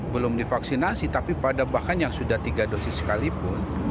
belum divaksinasi tapi pada bahkan yang sudah tiga dosis sekalipun